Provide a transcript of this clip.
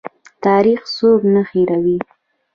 تاریخ څوک نه هیروي؟